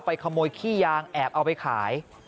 ขโมยขี้ยางแอบเอาไปขาย